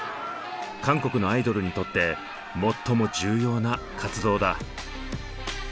韓国のアイドルにとって最も重要な活動だ。